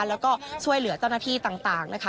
แล้วก็ช่วยเหลือเจ้าหน้าที่ต่างนะคะ